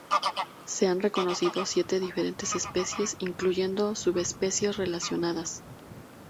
Se han reconocido siete diferentes especies, incluyendo subespecies relacionadas.